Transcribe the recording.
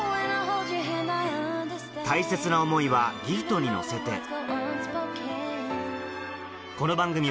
大切は思いはギフトに乗せて